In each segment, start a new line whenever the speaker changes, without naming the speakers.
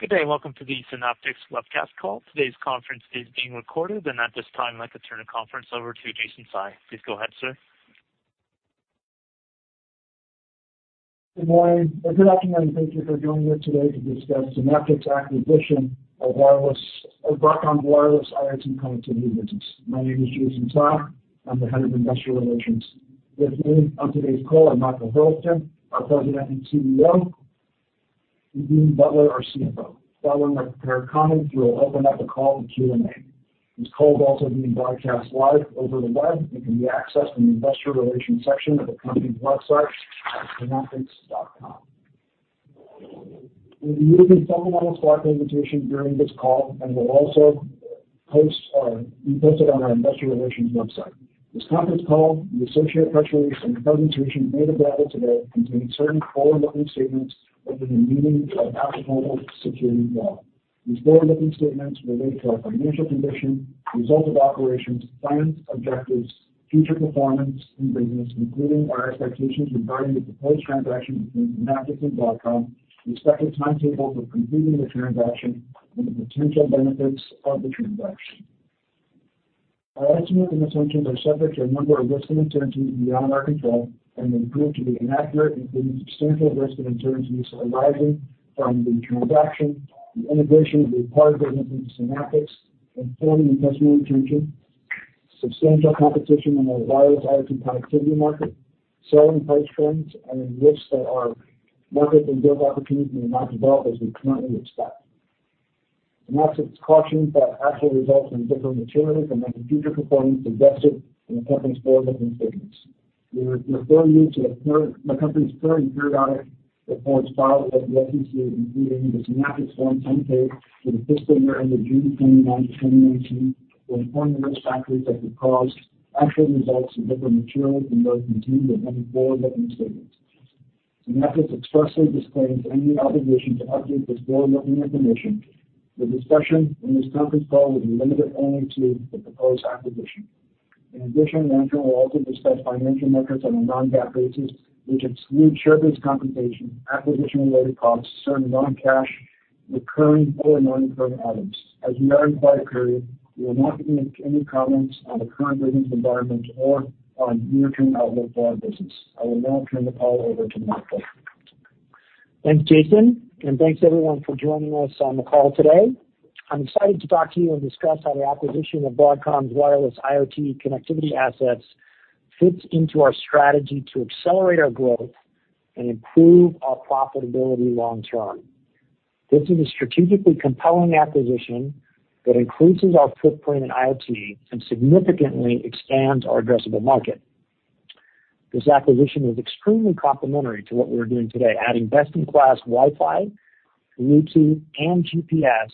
Good day, and welcome to the Synaptics webcast call. Today's conference is being recorded. At this time, I'd like to turn the conference over to Jiwa Tai. Please go ahead, sir.
Good morning, or good afternoon. Thank you for joining me today to discuss Synaptics' acquisition of Broadcom's wireless IoT connectivity business. My name is Jiwa Tai. I'm the head of investor relations. With me on today's call are Michael Hurlston, our President and CEO, and Dean Butler, our CFO. Following their prepared comments, we will open up the call to Q&A. This call is also being broadcast live over the web and can be accessed from the investor relations section of the company's website at synaptics.com. We'll be using several slide presentations during this call and will also be posted on our investor relations website. This conference call, the associated press release, and the presentation made available today contain certain forward-looking statements within the meaning of applicable securities law. These forward-looking statements relate to our financial condition, results of operations, plans, objectives, future performance, and business, including our expectations regarding the proposed transaction between Synaptics and Broadcom, the expected timetable for completing the transaction, and the potential benefits of the transaction. Our estimates and assumptions are subject to a number of risks and uncertainties beyond our control and may prove to be inaccurate, including substantial risks and uncertainties arising from the transaction, the integration of the acquired business into Synaptics, and forming customer retention, substantial competition in the wireless IoT connectivity market, selling price trends, and the risks that our markets and growth opportunities may not develop as we currently expect. Synaptics cautions that actual results will differ materially from any future performance suggested in the company's forward-looking statements. We refer you to the company's current periodic reports filed with the SEC, including the Synaptics Form 10-K for the fiscal year ended June 29, 2019, which outline the risk factors that could cause actual results to differ materially from those contained in any forward-looking statements. Synaptics expressly disclaims any obligation to update this forward-looking information. The discussion in this conference call will be limited only to the proposed acquisition. In addition, management will also discuss financial metrics on a non-GAAP basis, which exclude share-based compensation, acquisition-related costs, certain non-cash recurring or non-recurring items. As we are in a quiet period, we will not make any comments on the current business environment or on near-term outlook for our business. I will now turn the call over to Michael.
Thanks, Jiwa, and thanks, everyone, for joining us on the call today. I'm excited to talk to you and discuss how the acquisition of Broadcom's wireless IoT connectivity assets fits into our strategy to accelerate our growth and improve our profitability long term. This is a strategically compelling acquisition that increases our footprint in IoT and significantly expands our addressable market. This acquisition is extremely complementary to what we're doing today, adding best-in-class Wi-Fi, Bluetooth, and GPS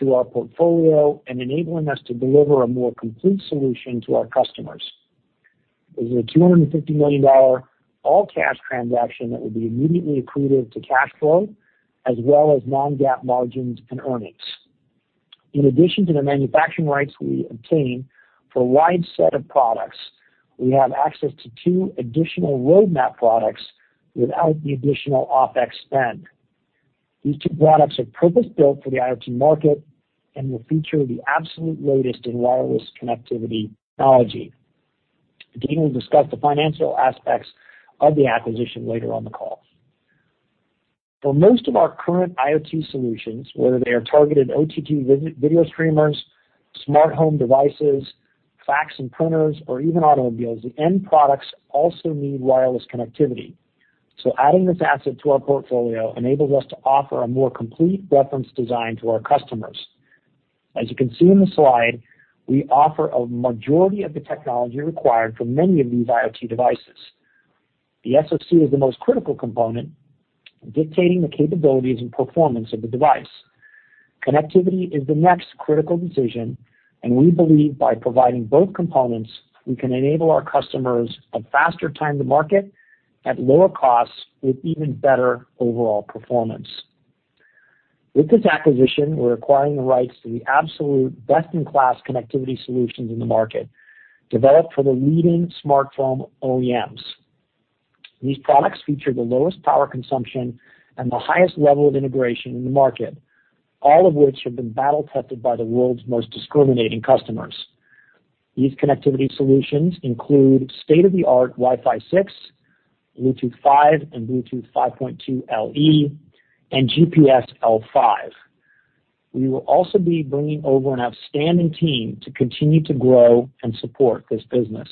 to our portfolio and enabling us to deliver a more complete solution to our customers. This is a $250 million all-cash transaction that will be immediately accretive to cash flow as well as non-GAAP margins and earnings. In addition to the manufacturing rights we obtain for a wide set of products, we have access to two additional roadmap products without the additional OPEX spend. These two products are purpose-built for the IoT market and will feature the absolute latest in wireless connectivity technology. Dean will discuss the financial aspects of the acquisition later on the call. For most of our current IoT solutions, whether they are targeted OTT video streamers, smart home devices, fax and printers, or even automobiles, the end products also need wireless connectivity. Adding this asset to our portfolio enables us to offer a more complete reference design to our customers. As you can see on the slide, we offer a majority of the technology required for many of these IoT devices. The SoC is the most critical component, dictating the capabilities and performance of the device. Connectivity is the next critical decision, and we believe by providing both components, we can enable our customers a faster time to market at lower costs with even better overall performance. With this acquisition, we're acquiring the rights to the absolute best-in-class connectivity solutions in the market, developed for the leading smartphone OEMs. These products feature the lowest power consumption and the highest level of integration in the market, all of which have been battle-tested by the world's most discriminating customers. These connectivity solutions include state-of-the-art Wi-Fi 6, Bluetooth 5 and Bluetooth 5.2 LE, and GPS L5. We will also be bringing over an outstanding team to continue to grow and support this business.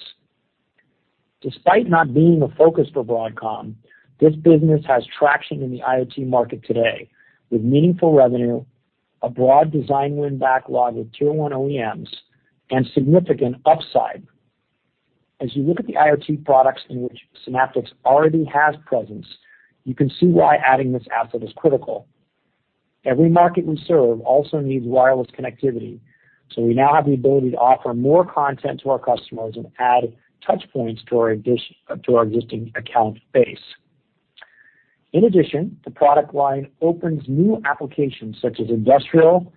Despite not being a focus for Broadcom, this business has traction in the IoT market today with meaningful revenue, a broad design win backlog with tier 1 OEMs, and significant upside. As you look at the IoT products in which Synaptics already has presence, you can see why adding this asset is critical. Every market we serve also needs wireless connectivity. We now have the ability to offer more content to our customers and add touchpoints to our existing account base. In addition, the product line opens new applications such as industrial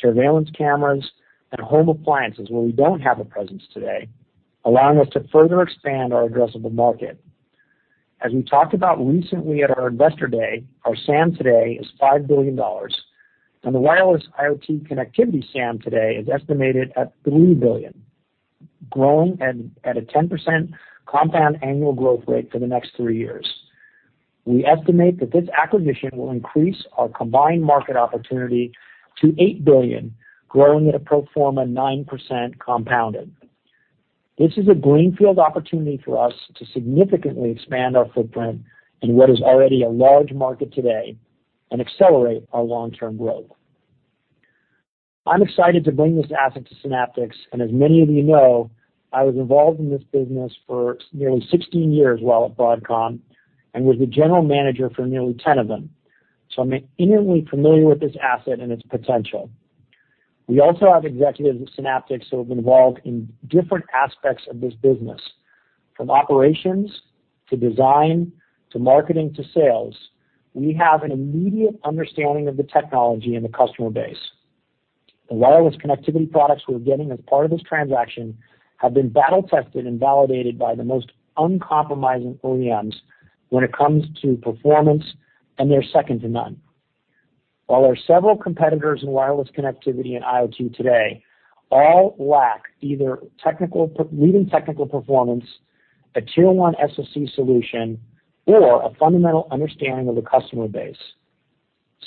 surveillance cameras and home appliances where we don't have a presence today, allowing us to further expand our addressable market. As we talked about recently at our investor day, our SAM today is $5 billion. The wireless IoT connectivity SAM today is estimated at $3 billion, growing at a 10% compound annual growth rate for the next three years. We estimate that this acquisition will increase our combined market opportunity to $8 billion, growing at a pro forma 9% compounded. This is a greenfield opportunity for us to significantly expand our footprint in what is already a large market today and accelerate our long-term growth. I'm excited to bring this asset to Synaptics, and as many of you know, I was involved in this business for nearly 16 years while at Broadcom and was the general manager for nearly 10 of them, so I'm intimately familiar with this asset and its potential. We also have executives at Synaptics who have been involved in different aspects of this business, from operations to design to marketing to sales. We have an immediate understanding of the technology and the customer base. The wireless connectivity products we're getting as part of this transaction have been battle-tested and validated by the most uncompromising OEMs when it comes to performance, and they're second to none. While there are several competitors in wireless connectivity and IoT today, all lack either leading technical performance, a Tier 1 SoC solution, or a fundamental understanding of the customer base.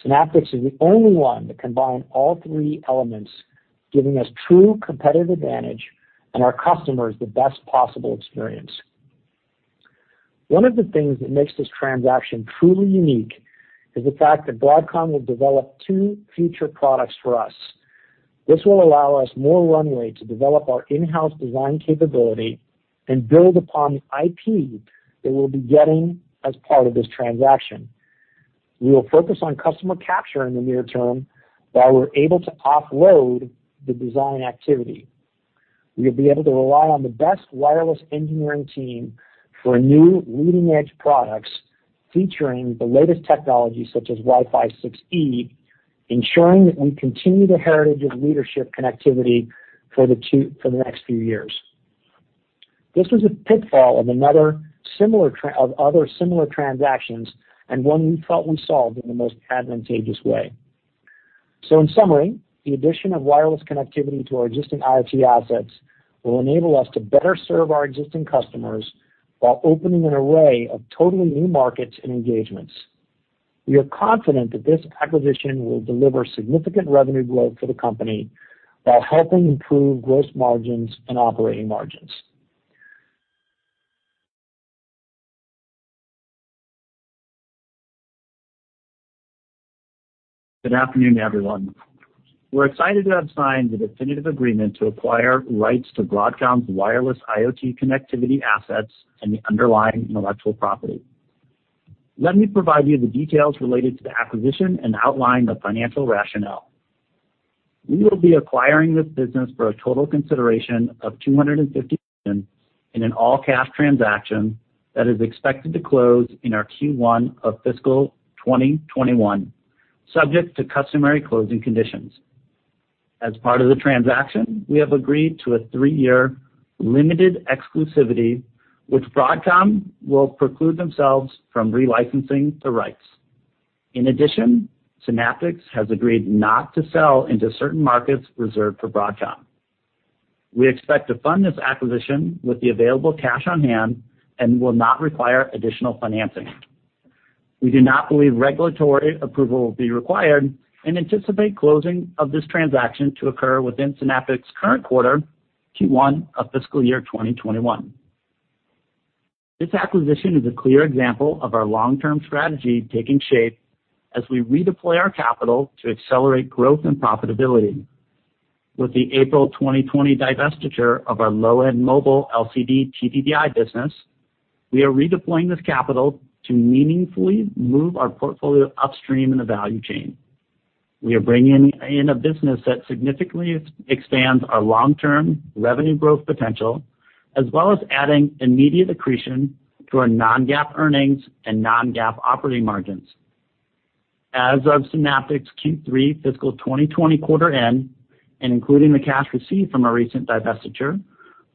Synaptics is the only one that combine all three elements, giving us true competitive advantage and our customers the best possible experience. One of the things that makes this transaction truly unique is the fact that Broadcom will develop two future products for us. This will allow us more runway to develop our in-house design capability and build upon the IP that we'll be getting as part of this transaction. We will focus on customer capture in the near term, while we're able to offload the design activity. We'll be able to rely on the best wireless engineering team for new leading-edge products featuring the latest technology such as Wi-Fi 6E, ensuring that we continue the heritage of leadership connectivity for the next few years. This was a pitfall of other similar transactions and one we felt we solved in the most advantageous way. In summary, the addition of wireless connectivity to our existing IoT assets will enable us to better serve our existing customers while opening an array of totally new markets and engagements. We are confident that this acquisition will deliver significant revenue growth for the company while helping improve gross margins and operating margins.
Good afternoon, everyone. We're excited to have signed the definitive agreement to acquire rights to Broadcom's wireless IoT connectivity assets and the underlying intellectual property. Let me provide you the details related to the acquisition and outline the financial rationale. We will be acquiring this business for a total consideration of $250 million in an all-cash transaction that is expected to close in our Q1 of fiscal 2021, subject to customary closing conditions. As part of the transaction, we have agreed to a three-year limited exclusivity, which Broadcom will preclude themselves from re-licensing the rights. In addition, Synaptics has agreed not to sell into certain markets reserved for Broadcom. We expect to fund this acquisition with the available cash on hand and will not require additional financing. We do not believe regulatory approval will be required and anticipate closing of this transaction to occur within Synaptics' current quarter, Q1 of fiscal year 2021. This acquisition is a clear example of our long-term strategy taking shape as we redeploy our capital to accelerate growth and profitability. With the April 2020 divestiture of our low-end mobile LCD TTDI business, we are redeploying this capital to meaningfully move our portfolio upstream in the value chain. We are bringing in a business that significantly expands our long-term revenue growth potential, as well as adding immediate accretion to our non-GAAP earnings and non-GAAP operating margins. As of Synaptics' Q3 fiscal 2020 quarter end, and including the cash received from our recent divestiture,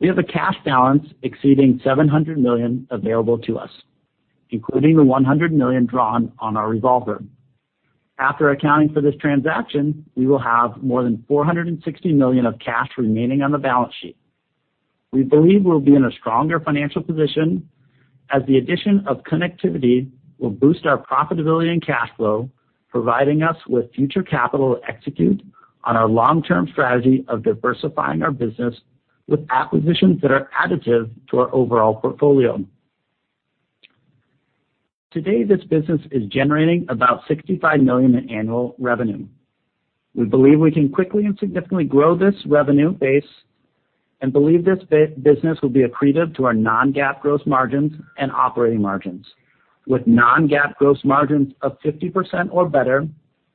we have a cash balance exceeding $700 million available to us, including the $100 million drawn on our revolver. After accounting for this transaction, we will have more than $460 million of cash remaining on the balance sheet. We believe we'll be in a stronger financial position, as the addition of connectivity will boost our profitability and cash flow, providing us with future capital to execute on our long-term strategy of diversifying our business with acquisitions that are additive to our overall portfolio. Today, this business is generating about $65 million in annual revenue. We believe we can quickly and significantly grow this revenue base and believe this business will be accretive to our non-GAAP gross margins and operating margins, with non-GAAP gross margins of 50% or better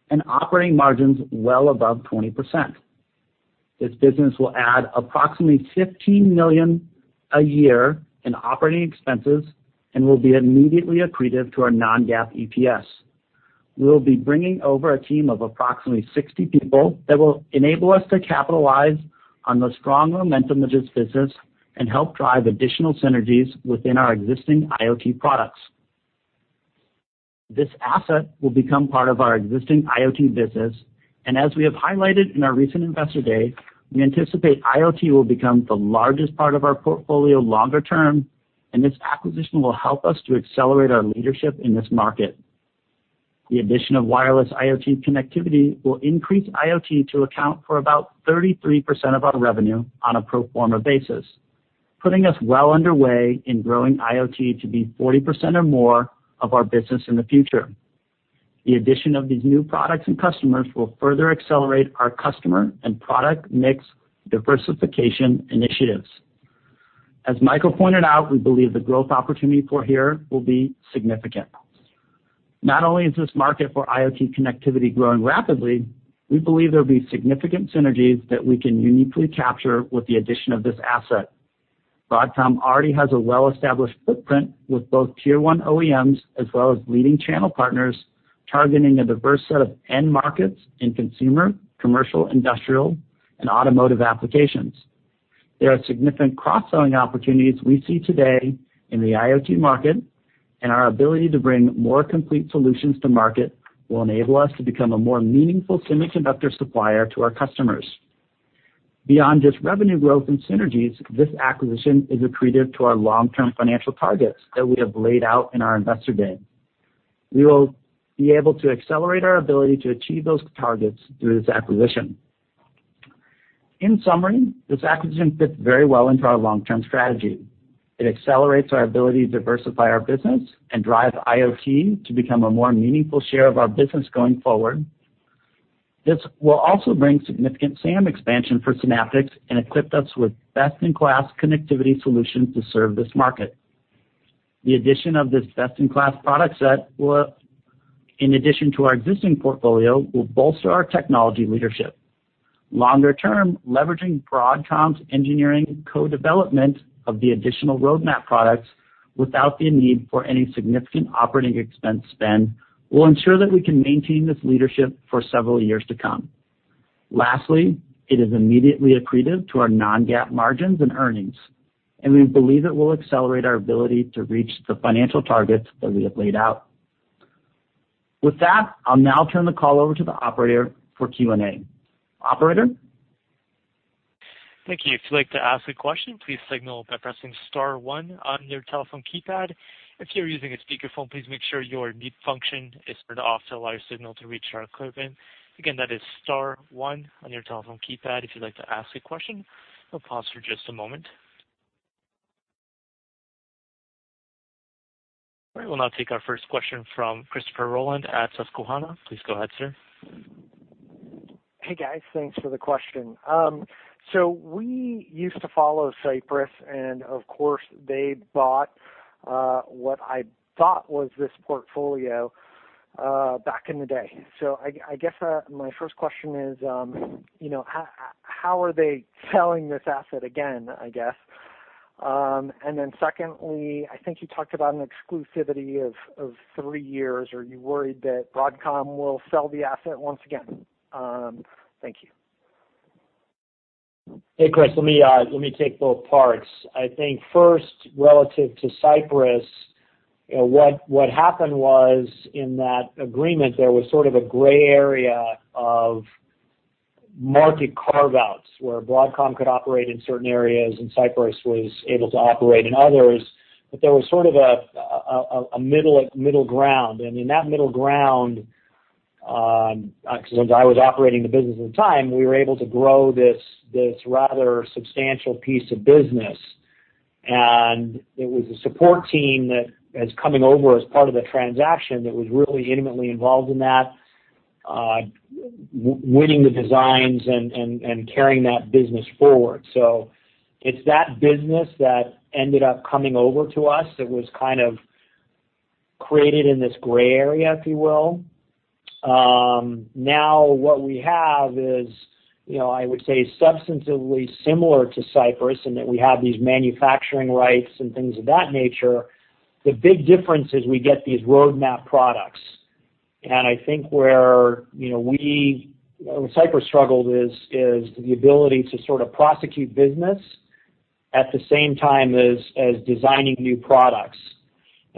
and operating margins well above 20%. This business will add approximately $15 million a year in operating expenses and will be immediately accretive to our non-GAAP EPS. We'll be bringing over a team of approximately 60 people that will enable us to capitalize on the strong momentum of this business and help drive additional synergies within our existing IoT products. This asset will become part of our existing IoT business, and as we have highlighted in our recent Investor Day, we anticipate IoT will become the largest part of our portfolio longer term, and this acquisition will help us to accelerate our leadership in this market. The addition of wireless IoT connectivity will increase IoT to account for about 33% of our revenue on a pro forma basis, putting us well underway in growing IoT to be 40% or more of our business in the future. The addition of these new products and customers will further accelerate our customer and product mix diversification initiatives. As Michael pointed out, we believe the growth opportunity for here will be significant. Not only is this market for IoT connectivity growing rapidly, we believe there'll be significant synergies that we can uniquely capture with the addition of this asset. Broadcom already has a well-established footprint with both tier 1 OEMs as well as leading channel partners, targeting a diverse set of end markets in consumer, commercial, industrial, and automotive applications. There are significant cross-selling opportunities we see today in the IoT market. Our ability to bring more complete solutions to market will enable us to become a more meaningful semiconductor supplier to our customers. Beyond just revenue growth and synergies, this acquisition is accretive to our long-term financial targets that we have laid out in our Investor Day. We will be able to accelerate our ability to achieve those targets through this acquisition. In summary, this acquisition fits very well into our long-term strategy. It accelerates our ability to diversify our business and drive IoT to become a more meaningful share of our business going forward. This will also bring significant SAM expansion for Synaptics and equip us with best-in-class connectivity solutions to serve this market. The addition of this best-in-class product set, in addition to our existing portfolio, will bolster our technology leadership. Longer term, leveraging Broadcom's engineering co-development of the additional roadmap products without the need for any significant operating expense spend will ensure that we can maintain this leadership for several years to come. Lastly, it is immediately accretive to our non-GAAP margins and earnings, and we believe it will accelerate our ability to reach the financial targets that we have laid out. With that, I'll now turn the call over to the operator for Q&A. Operator?
Thank you. If you'd like to ask a question, please signal by pressing star one on your telephone keypad. If you are using a speakerphone, please make sure your mute function is turned off to allow your signal to reach our equipment. Again, that is star one on your telephone keypad if you'd like to ask a question. I'll pause for just a moment. All right, we'll now take our first question from Christopher Rolland at Susquehanna. Please go ahead, sir.
Hey, guys. Thanks for the question. We used to follow Cypress, of course, they bought what I thought was this portfolio back in the day. I guess my first question is, how are they selling this asset again, I guess? Secondly, I think you talked about an exclusivity of three years. Are you worried that Broadcom will sell the asset once again? Thank you.
Hey, Chris, let me take both parts. I think first, relative to Cypress, what happened was, in that agreement, there was sort of a gray area of market carve-outs, where Broadcom could operate in certain areas and Cypress was able to operate in others. There was sort of a middle ground. In that middle ground, because I was operating the business at the time, we were able to grow this rather substantial piece of business. It was a support team that is coming over as part of the transaction that was really intimately involved in that, winning the designs and carrying that business forward. It's that business that ended up coming over to us that was kind of created in this gray area, if you will. Now what we have is, I would say, substantively similar to Cypress in that we have these manufacturing rights and things of that nature. The big difference is we get these roadmap products. I think where Cypress struggled is the ability to sort of prosecute business at the same time as designing new products.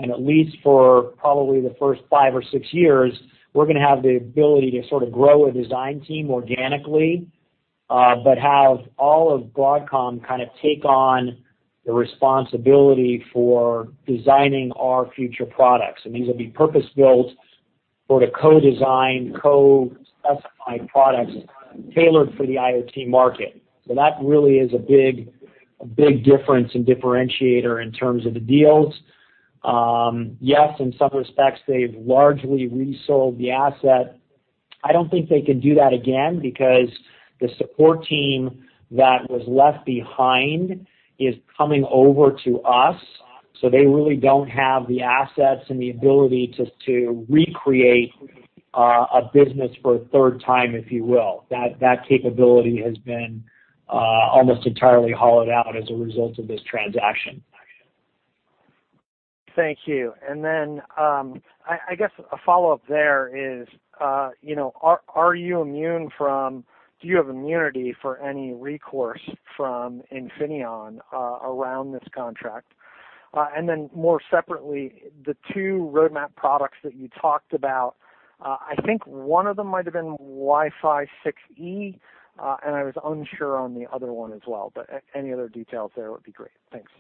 At least for probably the first five or six years, we're going to have the ability to sort of grow a design team organically, but have all of Broadcom kind of take on the responsibility for designing our future products. These will be purpose-built, sort of co-designed, co-specified products tailored for the IoT market. That really is a big difference and differentiator in terms of the deals. Yes, in some respects, they've largely resold the asset. I don't think they could do that again because the support team that was left behind is coming over to us. They really don't have the assets and the ability to recreate a business for a third time, if you will. That capability has been almost entirely hollowed out as a result of this transaction.
Thank you. I guess a follow-up there is, do you have immunity for any recourse from Infineon around this contract? More separately, the two roadmap products that you talked about, I think one of them might have been Wi-Fi 6E, and I was unsure on the other one as well, but any other details there would be great. Thanks.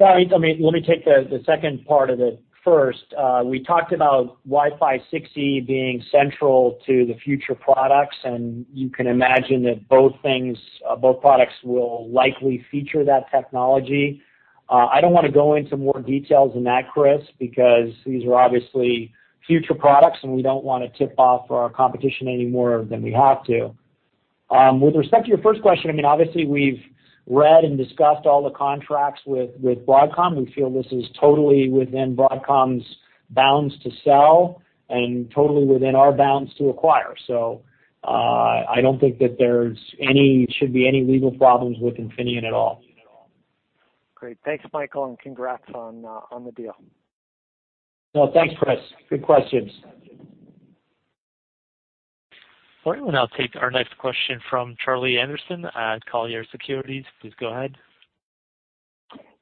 Yeah. Let me take the second part of it first. We talked about Wi-Fi 6E being central to the future products, and you can imagine that both products will likely feature that technology. I don't want to go into more details on that, Chris, because these are obviously future products, and we don't want to tip off our competition any more than we have to. With respect to your first question, obviously we've read and discussed all the contracts with Broadcom. We feel this is totally within Broadcom's bounds to sell and totally within our bounds to acquire. I don't think that there should be any legal problems with Infineon at all.
Great. Thanks, Michael, and congrats on the deal.
Well, thanks, Chris. Good questions.
All right, we'll now take our next question from Charlie Anderson at Colliers Securities. Please go ahead.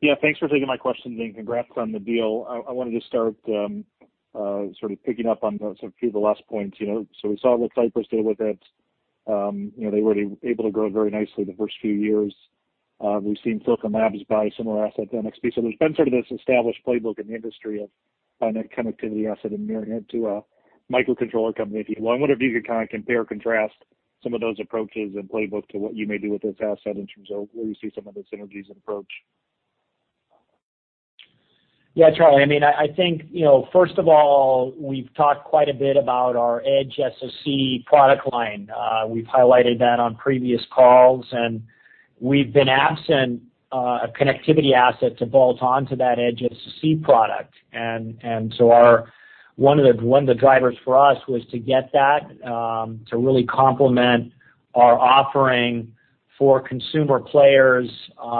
Yeah. Thanks for taking my question. Congrats on the deal. I wanted to start sort of picking up on sort of a few of the last points. We saw what Cypress did with it. They were able to grow very nicely the first few years. We've seen Silicon Labs buy a similar asset, NXP. There's been sort of this established playbook in the industry of net connectivity asset and marrying it to a microcontroller company, if you will. I wonder if you could kind of compare or contrast some of those approaches and playbook to what you may do with this asset in terms of where you see some of the synergies approach.
Yeah, Charlie, I think, first of all, we've talked quite a bit about our edge SoC product line. We've highlighted that on previous calls, and we've been absent a connectivity asset to bolt onto that edge SoC product. One of the drivers for us was to get that to really complement our offering for consumer players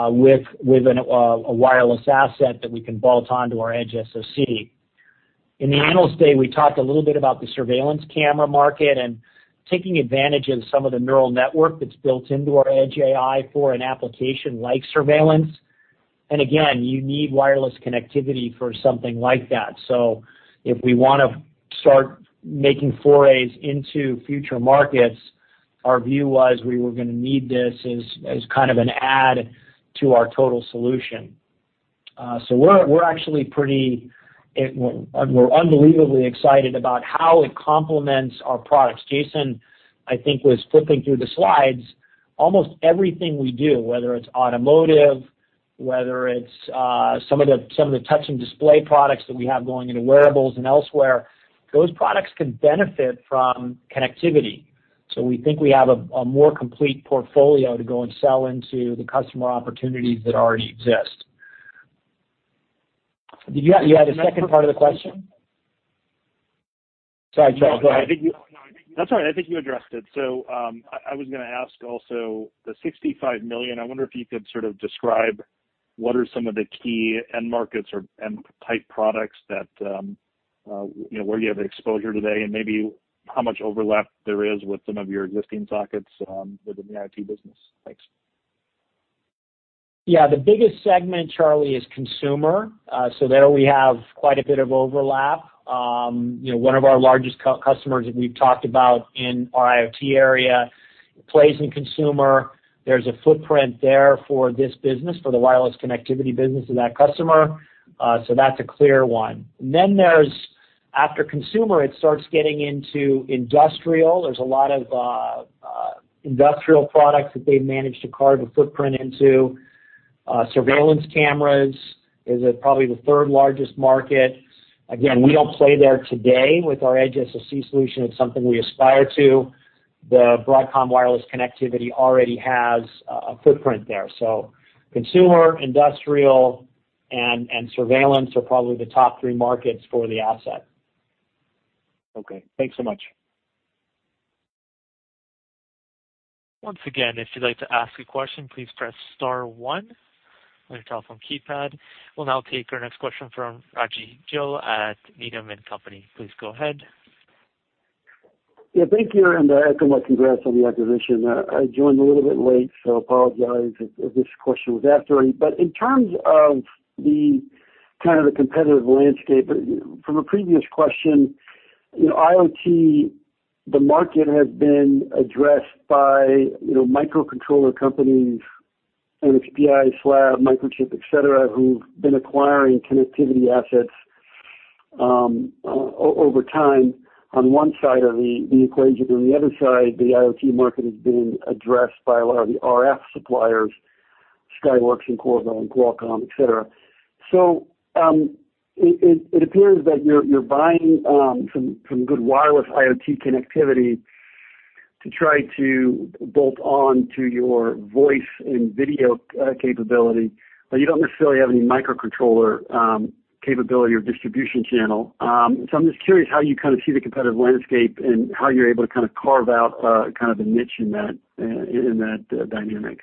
with a wireless asset that we can bolt onto our edge SoC. In the analyst day, we talked a little bit about the surveillance camera market and taking advantage of some of the neural network that's built into our edge AI for an application like surveillance. Again, you need wireless connectivity for something like that. If we want to start making forays into future markets, our view was we were going to need this as kind of an add to our total solution. We're unbelievably excited about how it complements our products. Jason, I think, was flipping through the slides. Almost everything we do, whether it's automotive, whether it's some of the touch and display products that we have going into wearables and elsewhere, those products could benefit from connectivity. We think we have a more complete portfolio to go and sell into the customer opportunities that already exist. You had a second part of the question? Sorry, Charlie, go ahead.
No, that's all right. I think you addressed it. I was going to ask also, the $65 million, I wonder if you could sort of describe what are some of the key end markets or end type products where you have exposure today, and maybe how much overlap there is with some of your existing sockets within the IoT business. Thanks.
Yeah. The biggest segment, Charlie, is consumer. There we have quite a bit of overlap. One of our largest customers that we've talked about in our IoT area plays in consumer. There's a footprint there for this business, for the wireless connectivity business of that customer. That's a clear one. Then after consumer, it starts getting into industrial. There's a lot of industrial products that they've managed to carve a footprint into. Surveillance cameras is probably the third largest market. Again, we don't play there today with our edge SoC solution. It's something we aspire to. The Broadcom wireless connectivity already has a footprint there. Consumer, industrial, and surveillance are probably the top three markets for the asset.
Okay, thanks so much.
Once again, if you'd like to ask a question, please press star one on your telephone keypad. We'll now take our next question from Rajvindra Gill at Needham and Company. Please go ahead.
Yeah, thank you, and congrats on the acquisition. I joined a little bit late, so apologize if this question was asked already. In terms of the kind of the competitive landscape, from a previous question, IoT, the market has been addressed by microcontroller companies, NXP/Microchip, et cetera, who've been acquiring connectivity assets over time on one side of the equation. On the other side, the IoT market has been addressed by a lot of the RF suppliers, Skyworks and Qorvo and Qualcomm, et cetera. It appears that you're buying some good wireless IoT connectivity to try to bolt on to your voice and video capability, but you don't necessarily have any microcontroller capability or distribution channel. I'm just curious how you kind of see the competitive landscape and how you're able to kind of carve out kind of a niche in that dynamic.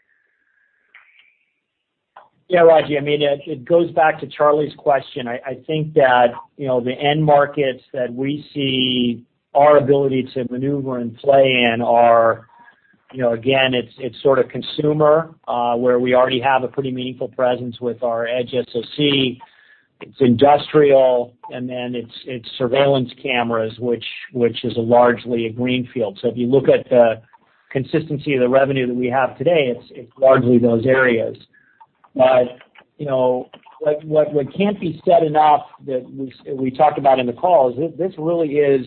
Rajvindra, it goes back to Charlie's question. I think that, the end markets that we see our ability to maneuver and play in are, again, it's sort of consumer, where we already have a pretty meaningful presence with our edge SoC. It's industrial, and then it's surveillance cameras, which is largely a greenfield. If you look at the consistency of the revenue that we have today, it's largely those areas. What can't be said enough that we talked about in the call is this really is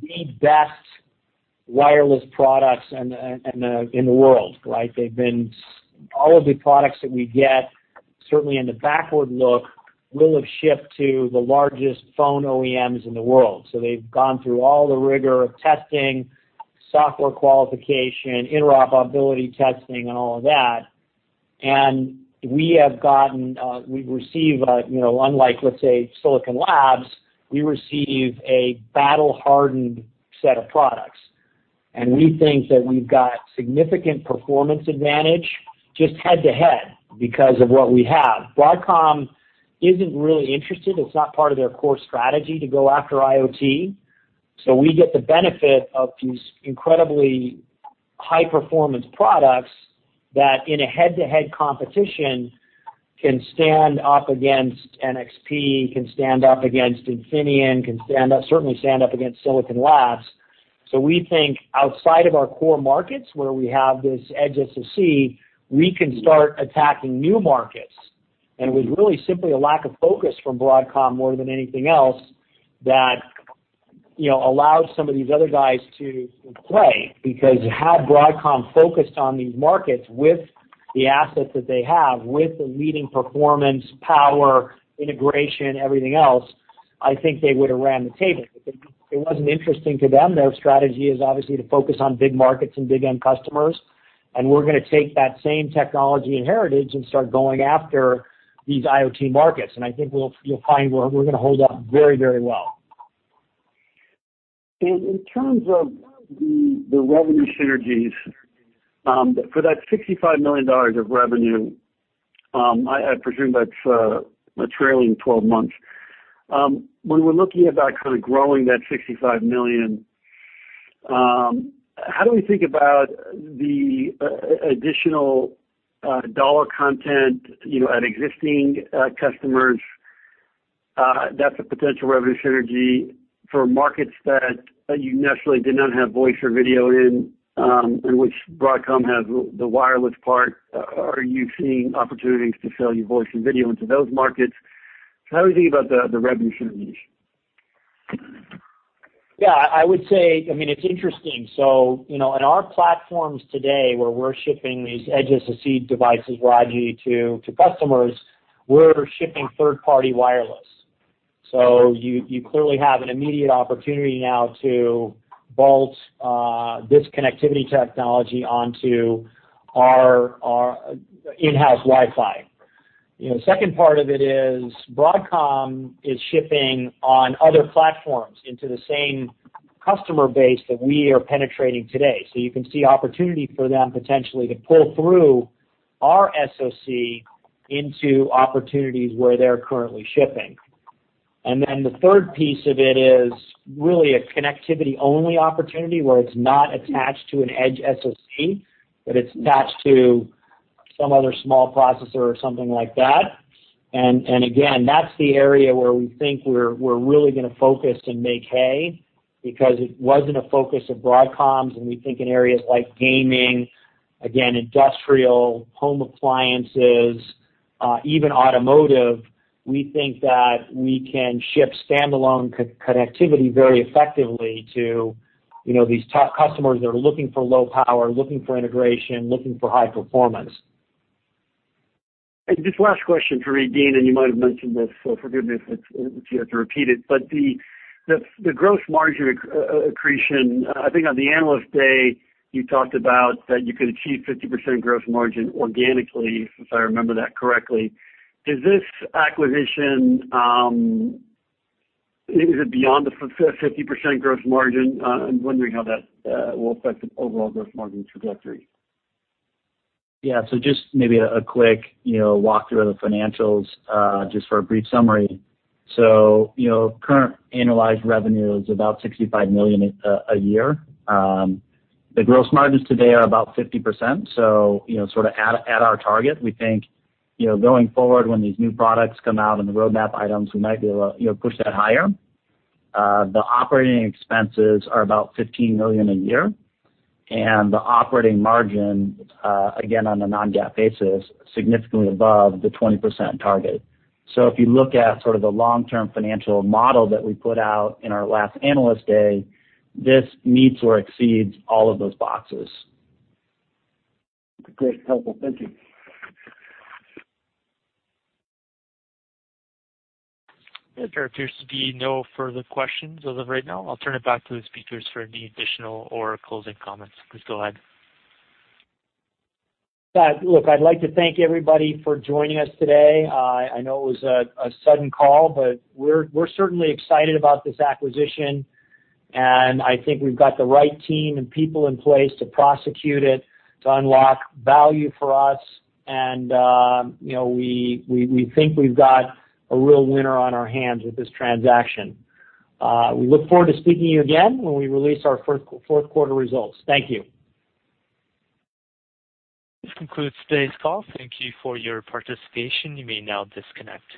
the best wireless products in the world, right? All of the products that we get, certainly in the backward look, will have shipped to the largest phone OEMs in the world. They've gone through all the rigor of testing, software qualification, interoperability testing, and all of that. We receive, unlike, let's say, Silicon Labs, we receive a battle-hardened set of products. We think that we've got significant performance advantage just head-to-head because of what we have. Broadcom isn't really interested. It's not part of their core strategy to go after IoT. We get the benefit of these incredibly high-performance products that, in a head-to-head competition, can stand up against NXP, can stand up against Infineon, can certainly stand up against Silicon Labs. We think outside of our core markets, where we have this edge SoC, we can start attacking new markets. It was really simply a lack of focus from Broadcom more than anything else that allowed some of these other guys to play, because had Broadcom focused on these markets with the assets that they have, with the leading performance, power, integration, everything else, I think they would have ran the table. It wasn't interesting to them. Their strategy is obviously to focus on big markets and big end customers, and we're going to take that same technology and heritage and start going after these IoT markets. I think you'll find we're going to hold up very well.
In terms of the revenue synergies, for that $65 million of revenue, I presume that's a trailing 12 months. When we're looking about kind of growing that $65 million, how do we think about the additional dollar content at existing customers? That's a potential revenue synergy for markets that you necessarily did not have voice or video in which Broadcom has the wireless part. Are you seeing opportunities to sell your voice and video into those markets? How are we thinking about the revenue synergies?
I would say, it's interesting. In our platforms today, where we're shipping these edge SoC devices, Rajvindra, to customers, we're shipping third-party wireless. Second part of it is Broadcom is shipping on other platforms into the same customer base that we are penetrating today. You can see opportunity for them potentially to pull through our SoC into opportunities where they're currently shipping. The third piece of it is really a connectivity-only opportunity where it's not attached to an edge SoC, but it's attached to some other small processor or something like that. Again, that's the area where we think we're really going to focus and make hay because it wasn't a focus of Broadcom's, and we think in areas like gaming, again, industrial, home appliances, even automotive, we think that we can ship standalone connectivity very effectively to these top customers that are looking for low power, looking for integration, looking for high performance.
Just last question for Dean, you might have mentioned this, so forgive me if you have to repeat it, but the gross margin accretion, I think on the Analyst Day, you talked about that you could achieve 50% gross margin organically, if I remember that correctly. Is this acquisition beyond the 50% gross margin? I'm wondering how that will affect the overall gross margin trajectory.
Yeah. Just maybe a quick walk-through of the financials, just for a brief summary. Current annualized revenue is about $65 million a year. The gross margins today are about 50%, so sort of at our target. We think, going forward, when these new products come out and the roadmap items, we might be able to push that higher. The operating expenses are about $15 million a year, and the operating margin, again, on a non-GAAP basis, significantly above the 20% target. If you look at sort of the long-term financial model that we put out in our last Analyst Day, this meets or exceeds all of those boxes.
Great. Helpful. Thank you.
There appears to be no further questions as of right now. I'll turn it back to the speakers for any additional or closing comments. Please go ahead.
Look, I'd like to thank everybody for joining us today. I know it was a sudden call, but we're certainly excited about this acquisition, and I think we've got the right team and people in place to prosecute it, to unlock value for us. We think we've got a real winner on our hands with this transaction. We look forward to speaking to you again when we release our fourth quarter results. Thank you.
This concludes today's call. Thank you for your participation. You may now disconnect.